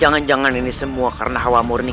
jangan jangan ini semua karena hawa murni